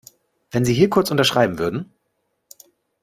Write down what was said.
Wenn Sie hier kurz unterschreiben würden.